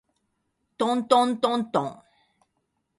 とんとんとんとん